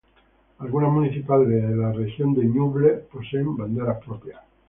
Algunas municipalidades de la Región de Ñuble poseen banderas propias.